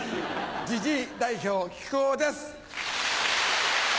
ジジイ代表木久扇です！